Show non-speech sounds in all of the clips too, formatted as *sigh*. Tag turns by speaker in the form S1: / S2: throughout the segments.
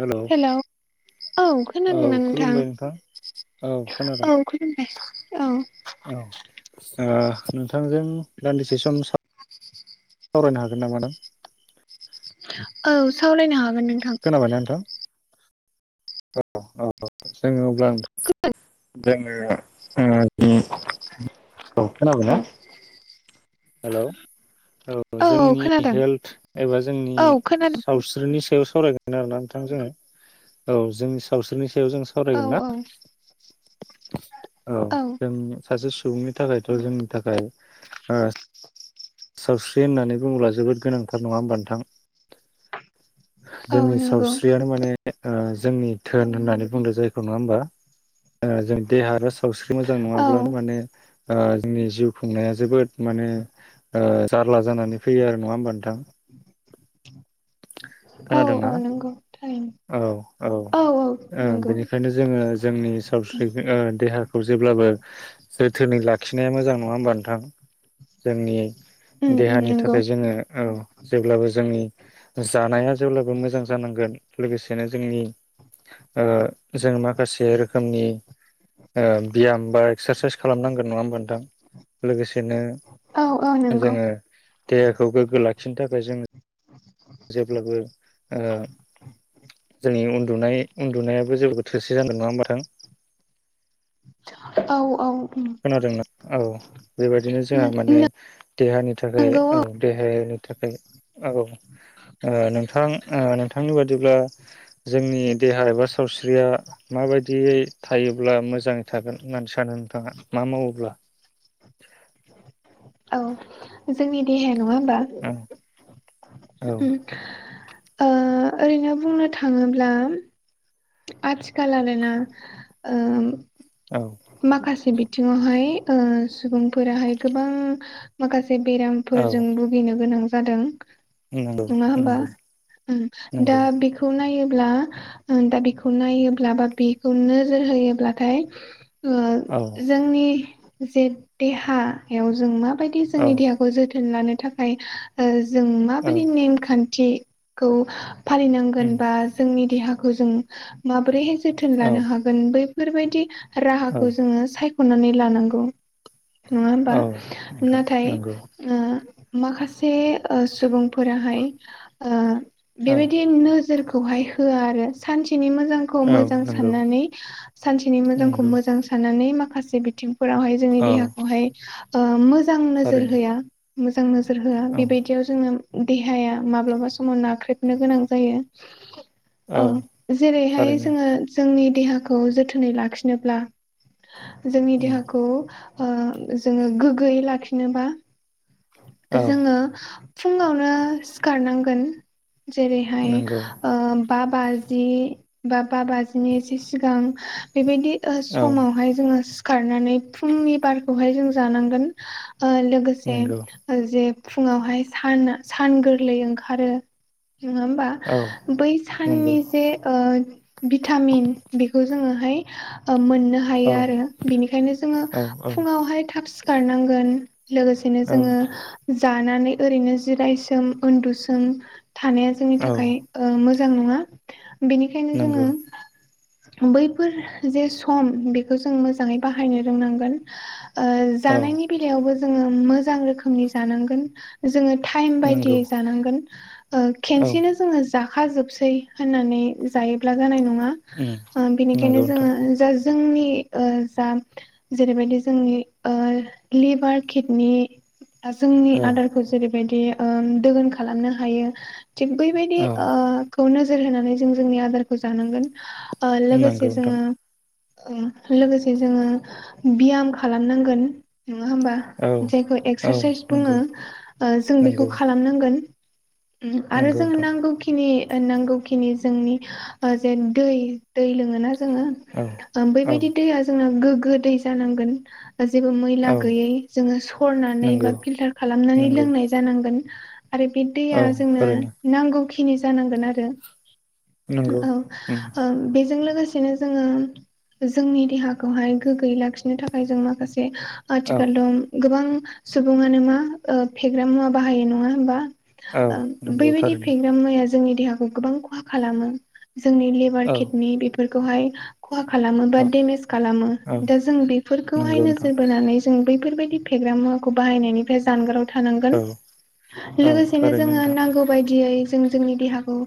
S1: Hello
S2: hello औ
S1: औ
S2: खोनादोंना नोंथां
S1: खुलुमबाय औ खोनादों
S2: औ खोनाबाय
S1: औ ओ नोंथांजों दान्दिसे सम सा सावरायनो हागोन ना दख
S2: औ सावरायनो हा
S1: खोनाबायना नोंथांङा औ औ जोंङो अब्ला नों जोंङो ओ इ औ खोनाबाय ना
S2: औ
S1: हेलौ औ जोंनि हेल्थ एबा जोंनि
S2: औ खोनादों
S1: सावस्रिनि सायाव सावरायगोन आरोना नोंथां जोंङो औ जोंनि सावस्रिनि सायाव जों साव
S2: औ औ
S1: औ जों सासे सुबुंनि थाखायथ' जोंनि थाखाय ओ सावस्रि होननानै बुंङोब्ला जोबोद गोनांथार नंङा होमबा नोंथां
S2: औ
S1: जोंनि
S2: नंगौ
S1: सावस्रियानो माने ओ जोंनि धोन होननानै बुंदों जायखौ नंङा होमबा ओ जों देहा आरो सावस्रि मोजां
S2: औ
S1: नंङाब्लानो माने ओ जोंनि जिउ खुंनाया जोबोद माने ओ जारला जानानै फैयो आरो नंङा होमबा नोंथां *inaudible*
S2: औ
S1: खोनादोंना
S2: औ नंगौ थारै
S1: औ औ ओ
S2: नंगौ
S1: बेनिखायनो जोङो जोंनि सावस्रि ओ देहाखौ जेब्लाबो जोथोनै लाखिनाया मोजां नङा होमबा नोंथां जोंनि
S2: उम उम
S1: देहानि
S2: नंगौ
S1: थाखाय जोङो औ जेब्लाबो जोंनि जानाया जेब्लाबो मोजां जा नांगोन लोगोसेनो जोंनि ओ जों माखासे रोखोमनि ओ बियाम बा एक्सारसाइस खालामनांगोन नङा होमबा नोंथां? लोगोसे
S2: औ औ
S1: बिदिनो
S2: नंगौ
S1: जोङो देहाखौ गोग्गो लाखिनो थाखाय जों जेब्लाबो ओ जोंनि उन्दुनाय उन्दुनायाबो *unintelligible* नङा होमबा नोंथां
S2: औ औ
S1: खोनादोंना औ बेबायदिनो जोंहा माने
S2: नंगौ
S1: देहानि थाखाय औ देहाया थाखाय औ ओ नोंथां ओ नोंथांनि बादिब्ला जोंनि देहा एबा सावस्रिया माबायदियै थायोब्ला मोजाङै थागोन होननानै सानो नोंथाङा मा मावोब्ला ।
S2: औ जोंनि देहाया नङा होमबा
S1: औ
S2: *unintelligible* ओ ओरैनो बुंनो थाङोब्ला आथिखाल आरोना ओम
S1: औ
S2: माखासे बिथिङावहाय ओ सुबुंफोराहाय गोबां माखास से
S1: औ
S2: बेरामफोरजों भुगिनो गोनां जादों
S1: नंगौ
S2: । नङा होमबा
S1: नंगौ
S2: ओ दा
S1: नंगौ
S2: बेखौ नाय ब्ला दा बेखौ नायोब्ला बा बेखौ नोजोर होयोब्लाथाय ओ
S1: औ
S2: जोंनि जे देहायाव जों माबायदि
S1: औ
S2: जोंनि देहाखौ जो थोन लानो थाखाय जों
S1: औ
S2: माबायदि नेमखान्थिखौ फालिनांगोन
S1: उम
S2: बा जोंनि देहाखौ जों माबोरैहाय जोथोन
S1: औ
S2: लानो हागोन बै बेफोरबायदि
S1: औ
S2: राहाखौ जोङो सायख'नानै लानांगौ । नङा होमबा
S1: औ नोंथां
S2: नाथाय
S1: नंगौ
S2: ओ माखासे ओ सुबुंफोराहाय ओ
S1: औ
S2: बेबायदिनो नोजोरखौहाय होआ आरो सान सेनि मोजांखौ
S1: औ
S2: मोजां
S1: नंगौ
S2: साननानै सानसेनि मोजांखौ
S1: नंगौ
S2: मोजां साननानै माखासे बिथिं फोरावहाय जोंनि
S1: औ
S2: देहाखौहाय ओ मोजां नोजोर
S1: थारैनो
S2: होआ मोजां नोजो जोर होआ
S1: औ
S2: बेबायदियाव जोंनो देहाया माब्लाबा समाव नाख्रेबनो गोनां जायो । औ जेरैहाय
S1: थारैनो
S2: जोङो जोंनि देहाखौ जोथोनै लाखिनोब्ला जोंनि
S1: उम
S2: देहाखौ ओ जोङो गोग्गोयै लाखिनोबा
S1: औ
S2: जोङो फुङावनो सिखारनांगोन। जेरैहाय
S1: नंगौ
S2: ओ बा बाजि बा बाजिनि इसे सिगां बेबायदि ओ
S1: औ
S2: समावहाय जोङो सिखारनानै फुंनि बारखौहाय जों जानांगोन। ओ लोगोसे
S1: नंगौ
S2: जे फुङावहाय सान सान गोरलै ओंखारो। नङा होमबा
S1: औ
S2: बै
S1: नंगौ
S2: साननि जे भिटामिन बेखौ जोङोहाय मोननो
S1: औ
S2: हायो आरो बिनिखायनो जोङो
S1: औ
S2: फुङावहाय थाब सिखारनांगोन। लोगोसेनो
S1: औ
S2: जोङो जानानै ओरैनो जिरायसोम उन्दुसोम थानाया जोंनि थाखाय मोजां नङा बेनिखायनो जोङो
S1: नंगौ
S2: बैफोर जे सम बेखौ जों मोजाङै बाहायनो रोंनांगोन। ओ
S1: औ
S2: जानायनि बेलायावबो जोङो मोजां रोखोमनि जानांगोन जोङो टाइम
S1: नंगौ
S2: बायदियै जानांगोन। ओ
S1: औ
S2: खेनसेनो जोंङो जाखाजोबसै होननानै जायोब्ला जानाय नंङा।
S1: उम नंगौ
S2: बिनिखायनो
S1: नोंथां
S2: जोंङो जोंनि जा जेरैबायदि जोंनि लिभार किडनि जोंनि
S1: औ
S2: आदारखौ जेरैबायदि दोगोन खालामनो हायो। थिग बैबायदि
S1: औ
S2: खौ नोजोर होनानै जों जोंनि आदारखौ जानांगोन। लोगोसे
S1: नंगौ नोंथां
S2: जोंङो। लोगोसे जोंङो बियाम खालामनांगोन। नङा होमबा
S1: औ
S2: जायखौ
S1: औ
S2: एक्सारसाइस बुङो
S1: नंगौ
S2: जों
S1: नंगौ
S2: बेखौ खालामनांगोन। आरो
S1: नंगौ
S2: जोंनो
S1: नोंथां
S2: नांगौखिनि। नांगौखिनि जोंनि जे दै दै लोंङोना जोंङो।
S1: औ औ
S2: बेबायदि दैया जोंना गोग्गो दै जानांगोन। जेबो मैला
S1: औ
S2: गैयै जोंङो सरनानै बा
S1: नंगौ
S2: फिल्टार खालामनानै
S1: नंगौ
S2: लोंनाय जानांगोन। आरो बे
S1: औ
S2: दैया जोंनो
S1: थारैनो
S2: नांगौखिनि जानांगोन आरो।
S1: नंगौ उम
S2: औ बेजों लोगोसेनो जोंङो। जोंनि देहाखौहाय गोग्गोयै लाखिनो थाखाय जों माखासे
S1: औ
S2: आथिखालाव दं गोबां सुबुंङानो मा फेग्रा मुवा बाहायो नंङा होनबा।
S1: औ नंगौ
S2: बेबायदि
S1: थारैनो
S2: फेग्रा मुवाया। जोंनि देहाखौ गोबां खहा खालामो जोंनि लेभार
S1: औ
S2: किडनि बेफोरखौहाय खहा खालामो बा
S1: औ
S2: डेमेस खालामो
S1: औ
S2: दा जों बेफोरखौहाय
S1: नंगौ नोंथां
S2: नोजोर बोनानै जों बैफोर बायदि फेग्रा मुवाखौ बाहायनायनिफ्राय जानगाराव थानांगोन
S1: औ औ
S2: लोगोसेनो
S1: थारैनो
S2: जोंङो
S1: नोंथां
S2: नांगौ बायदियै जों जोंनि देहाखौ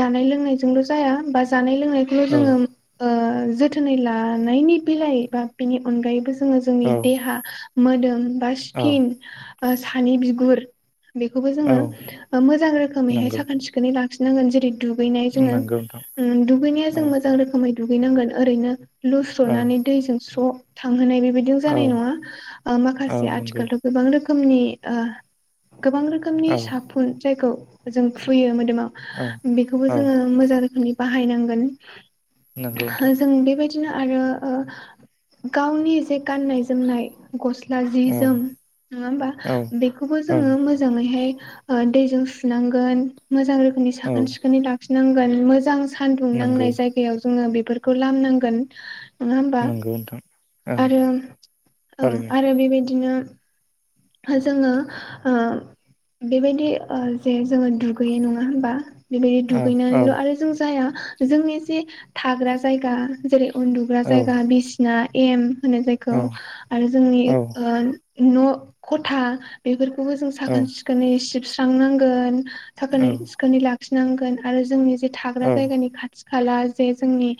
S2: जानाय लोंनायजोंल' जाया बा जानाय लोंनायखौल'
S1: औ
S2: जोंङो। जोथोनै लानायनि बेलायि बा बेनि अनगायैबो जोङो जोंनि
S1: औ
S2: देहा मोदोम
S1: औ
S2: सिकिन बा सानि बिगुर। बेखौबो
S1: औ
S2: जोंङो मोजां रोखोमैहाय
S1: नंगौ
S2: साखोन सिखोनै लाखिनांगोन जेरै दुगैनाय
S1: नंगौ नोंथां
S2: जोंङो दुगैनाया जों
S1: औ
S2: मोजां रोखोमै दुगैनांगोन ओरैनो
S1: औ
S2: लुस्र'नानै दैजों स्र' थांहोनाय बे बिदि
S1: औ
S2: जानाय नङा
S1: औ
S2: माखासे
S1: नंगौ
S2: आथिखालथ' गोबां रोखोमनि गोबां रोखोमनि
S1: औ
S2: साफुन जायखौ जों हुयोमोन।
S1: औ
S2: बेखौबो
S1: औ
S2: जोंङो मोजां रोखोमनि बाहायनांगोन।
S1: नंगौ नोंथां
S2: जों बेबायदिनो आरो ओ गावनि जे गाननाय जोमनाय। गस्ला जि
S1: औ
S2: जोम नङा होमबा
S1: औ
S2: बेखौबो
S1: औ
S2: जोंङो मोजांङै हाय। दैजों सुनांगोन मोजां रोखोमनि
S1: औ
S2: साखोन सिखोनै लाखिनांगोन मोजां सानदुं
S1: नंगौ
S2: नांनाय जायगायाव जोंङो बेफोरखौ लामनांगोन। नङा होनबा
S1: नंगौ नोंथां औ
S2: आरो औ
S1: थारैनो
S2: आरो बेबायदिनो। जोंङो। बेबायदि जे जोंङो दुगैयो नंङा होमबा। बेबायदि
S1: औ औ
S2: दुगैनानैल' आरो जों जाया जोंनि जे थाग्रा जायगा जेरै उन्दुग्रा
S1: औ
S2: जायगा बिसिना एम होननो जायखौ
S1: औ
S2: आरो जोंनि ओ न' खथा बेफोरखौबो जों साखोन
S1: औ
S2: सिखोनै सिबस्रांनांगोन साखोनै
S1: औ
S2: सिखोनै लाखिनांगोन आरो जोंनि जे थाग्रा
S1: औ
S2: जायगानि खाथि खाला जे जोंनि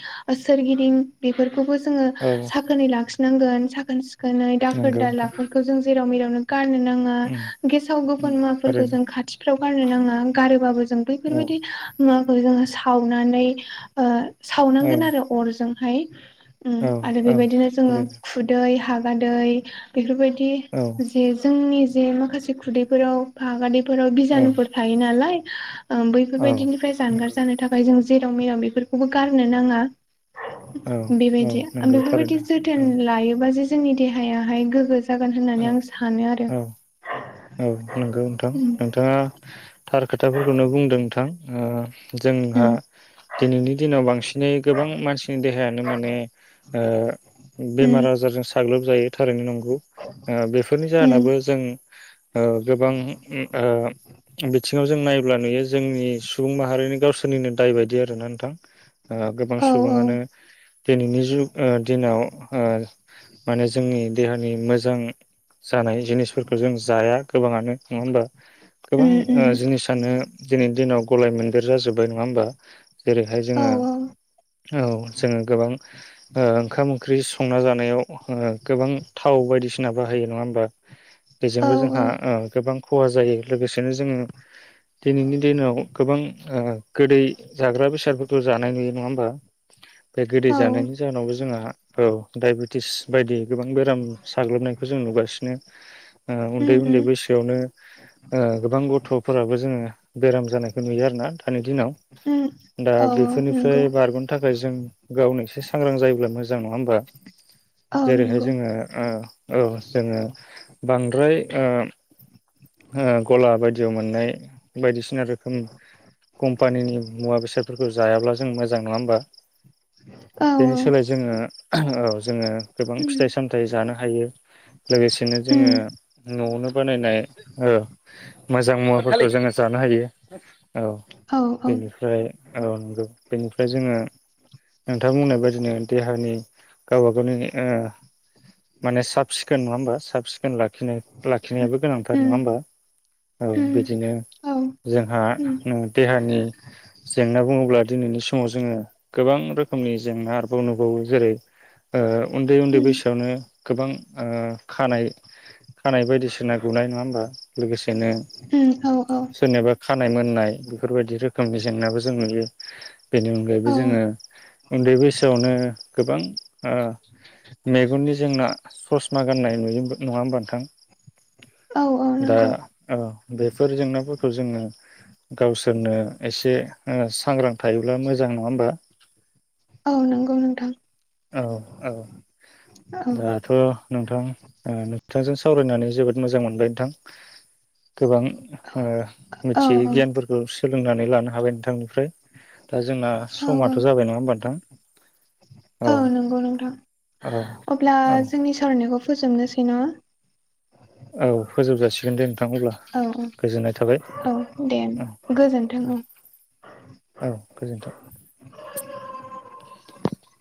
S2: सोरगिदिं बेफोरखौबो जोङो
S1: औ
S2: साखोनै लाखि नांगोन साखोन सिखोनै दाखोर
S1: नंगौ नोंथां
S2: दालाफोरखौ जों जेराव मेराव गारनो नांङा
S1: उम
S2: गेसाव
S1: उम
S2: गोफुन मुवाफोरखौ जों
S1: थारैनो
S2: खाथिफ्राव गारनो नांङा गारोबाबो ज जों
S1: औ
S2: बैफोरबायदि मुवाखौ जोंङो सावनानै
S1: औ
S2: सावनांगोन आरो अरजों हाय
S1: औ
S2: आरो
S1: औ
S2: बेबायदिनो जोंङो
S1: ओरैनो
S2: खुदै हागादै बेफोरबायदि
S1: औ
S2: जे जोंनि जे माखासे खुदैफोराव हागादैफोराव
S1: औ
S2: बिजानुफोर थायो नालाय
S1: औ
S2: बैफोरबायदिनिफ्राय जानगार
S1: नंगौ
S2: जानो थाखाय जों जेराव मेराव बेफोरखौबो गारनो नाङा।
S1: औ औ
S2: बेबायदि
S1: नंगौ
S2: बेफोरबायदि
S1: थारैनो
S2: जोथोन
S1: औ
S2: लायोबा जे जोंनि देहायाहाय गोग्गो जागोन
S1: औ
S2: होननानै आं सानो आरो।
S1: औ औ नंगौ नोंथां
S2: उम
S1: नोंथाङा थार खोथाफोरखौनो बुंदों नोंथां। ओ जोंहा
S2: उम
S1: दिनैनि दिनाव बांसिनै गोबां मानसिनि देहायानो माने ओ बेमार
S2: उम
S1: आजारजों साग्लोबजायो थारैनो नंगौ बेफोरनि
S2: उम
S1: जाहोनाबो जों ओ गोबां उम आ बिथिङाव जों नायब्ला नुयो जोंनि सुबुं माहारिनि गावसोरनिनो दाय बायदि आरोना नोंथां ओ गोबां
S2: औ
S1: सुबुङानो दिनैनि जुग आ दिनाव आ माने जोंनि देहानि मोजां जानाय जिनिसफोरखौ जों जाया गोबाङानो नङा होमबा गोबां
S2: उम उम
S1: जिनिसानो दिनैनि दिनाव गलाय मोनदेर जाजोब्बाय नङा होमबा? जेरैहाय
S2: औ
S1: जोङो औ जोङो गोबां ओंखाम ओंख्रि संना जानायाव गोबां थाव बायदिसिना बाहायो नङा होमबा?
S2: औ
S1: बेजोंबो जोंहा गोबां खहा जायो लोगोसेनो जोङो दिनैनि दिनाव गोबां गोदै जाग्रा बेसादफोरखौ जानाय नुयो नङा होमबा। बे गोदै
S2: औ
S1: जानायनि जाहोनावबो जोंहा औ डाइबेटिस बायदि गोबां बेराम साग्लोबनायखौ जों नुगासिनो आ
S2: उम
S1: उन्दै उन्दै
S2: उम
S1: सोआवनो ओ गोबां गथ'फोराबो जोङो बेराम जानायखौ नुयो आरोना दानि दिनाव।
S2: उम
S1: दा
S2: औ औ नंगौ
S1: बेफोरनिफ्राय बारग'नो थाखाय जों गावनो एसे सांग्रां जायोब्ला मोजां। बा
S2: औ
S1: जेरैहाय
S2: नंगौ
S1: जोङो ओ औ जोङो बांद्राय ओ गला बायदियाव मोननाय बायदिसिना रोखोम कम्पानिनि मुवा बेसादफोरखौ जायाब्ला जों मोजां नङा होमबा।
S2: औ
S1: बेनि सोलाय जोङो औ जोङो गोबां
S2: उम
S1: फिथाइ सामथायाइ जानो हायो लोगोसेनो जोङो
S2: उम
S1: न'आवनो बानायनाय ओ मोजां महरफोरखौ जोङो जानो हायो औ
S2: औ औ उम
S1: बेनिफ्राय औ नंगौ बेनिफ्राय जोङो नोंथांमोनहा बुजिनांगोन देहानि गावब गावनि आ माने साब सिखोन नङा होनबा साब सिखोन लाखि लाखिनाययाबो नङा
S2: उम
S1: होमबा औ बिदिनो
S2: औ उम
S1: जोंहा
S2: उम
S1: देहानि जेंना बुङोब्ला दिनैनि समाव जा जोङो गोबां रोखोमनि जेंना आरोबाव नुबावो जेरै ओ उन्दै उन्दै
S2: उम
S1: बैसोआवनो गोबां ओ खानाय खानाय बायदिसिना गुनाय नङा होनबा या लोगोसेनो
S2: औ औ
S1: सोरनिबा खानाय मोननाय बेफोरबायदि रोखोमनि जेंनायाबो जों नुयो बेनि अनगायैबो
S2: औ
S1: जों जोङो उन्दै बैसोआवनो गोबां आ मेगननि जोंना ससमा गाननाय नुयो नङा होमबा नोंथां?
S2: औ औ
S1: दा
S2: नंगौ
S1: बेफोर जेंनाफोरखौ जोङो गावसोरनो एसे सांग्रां थायोब्ला मोजां नङा होमबा?
S2: औ नंगौ नोंथां।
S1: औ औ
S2: औ
S1: दाथ' नोंथां नोंथांजों सावरायनानै बि मोजां मोनबाय नोंथां। गोबां
S2: औ
S1: मिथियै
S2: औ
S1: गियानफोरखौ सोलोंनानै लानो हाबाय नोंथांनिफ्राय दा जोंना
S2: औ
S1: समाथ' जाबाय नङा होमबा नोंथां?
S2: औ नंगौ नोंथां
S1: औ
S2: अब्ला
S1: औ
S2: जोंनि सावरायनायखौ फोजोबनोसै न?
S1: औ फोजोब जाासिगोन दे नोंथां अब्ला
S2: औ
S1: गोजोननाय थाबाय।
S2: औ दे
S1: औ
S2: गोजोन्थों उम।
S1: औ गोजोनथों।
S2: *inaudible*